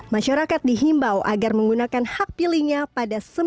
masyarakat dihimbau agar menggunakan hak hak yang diperlukan oleh masyarakat